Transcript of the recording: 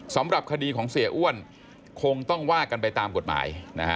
สำหรับคดีของเสียอ้วนคงต้องว่ากันไปตามกฎหมายนะฮะ